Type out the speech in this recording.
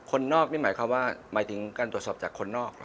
คนนอกนี่หมายความว่าหมายถึงการตรวจสอบจากคนนอกเหรอ